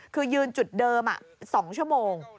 คือยืนจุดเดิม๒ชั่วโมง